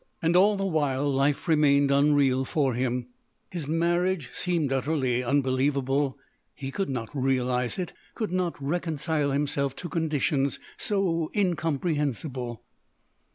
And all the while life remained unreal for him; his marriage seemed utterly unbelievable; he could not realise it, could not reconcile himself to conditions so incomprehensible.